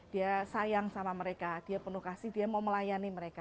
dia sayang sama mereka dia penuh kasih dia mau melayani mereka